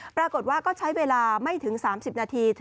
ปรากฏว่าก็ใช้เวลาไม่ถึง๓๐นาที